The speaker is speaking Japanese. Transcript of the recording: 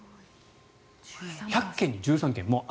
１００軒に１３軒。